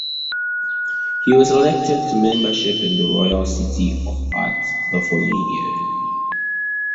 He was elected to membership in the Royal Society of Arts the following year.